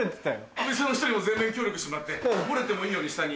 お店の人にも全面協力してもらってこぼれてもいいように下に。